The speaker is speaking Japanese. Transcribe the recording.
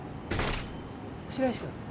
・・白石君。